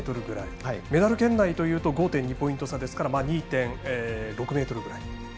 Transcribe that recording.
６ｍぐらい、メダル圏内というと５．２ポイント差ですから２．６ｍぐらい。